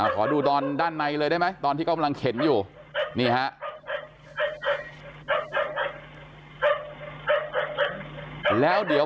ขอดูตอนด้านในเลยได้ไหมตอนที่กำลังเข็นอยู่นี่ฮะ